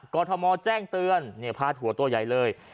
กรทมแจ้งเตือนพาดหัวตัวใหญ่เลย